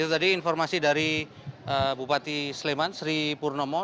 itu tadi informasi dari bupati sleman sri purnomo